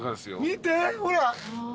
見てほら。